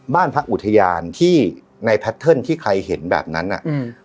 บ้านพักอุทยานที่ในแพทเทิร์นที่ใครเห็นแบบนั้นอ่ะอืม